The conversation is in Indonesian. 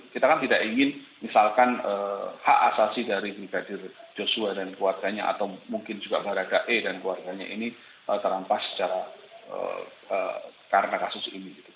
kita kan tidak ingin misalkan hak asasi dari brigadir joshua dan keluarganya atau mungkin juga baradae dan keluarganya ini terampas karena kasus ini